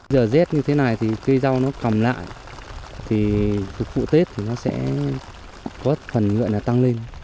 giờ rét như thế này thì cây rau nó cầm lại thì phục vụ tết thì nó sẽ có phần như vậy là tăng lên